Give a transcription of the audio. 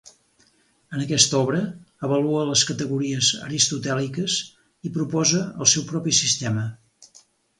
En aquesta obra, avalua les categories aristotèliques i proposa el seu propi sistema.